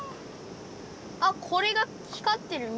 あっこれが光ってる。